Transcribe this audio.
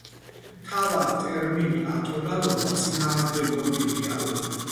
თავად ტერმინი „ატონალობა“ წინააღმდეგობრივია.